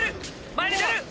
前に出る！